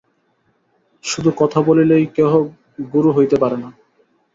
শুধু কথা বলিলেই কেহ গুরু হইতে পারে না।